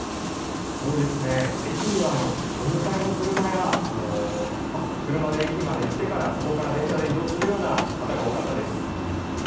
駅にはお迎えの車や、車で駅まで来てからそこから電車で移動するような方が多かったです。